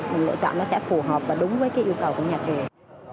mình lựa chọn nó sẽ phù hợp và đúng với cái yêu cầu của nhà trường